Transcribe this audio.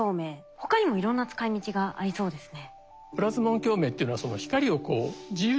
他にもいろんな使い道がありそうですね。